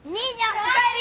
おかえり！